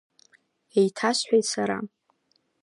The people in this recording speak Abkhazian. Еиҭасҳәеит сара.